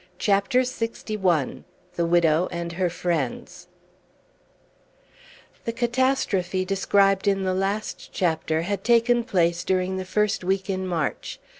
CHAPTER LXI The Widow and Her Friends The catastrophe described in the last chapter had taken place during the first week in March.